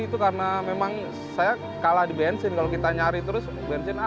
itu karena memang saya kalah di bensin kalo kita cari terus bensin abis